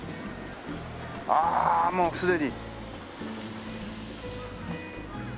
ああもうすでに。